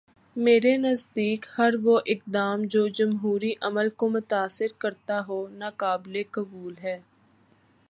میرے نزدیک ہر وہ اقدام جو جمہوری عمل کو متاثر کرتا ہو، ناقابل قبول ہے۔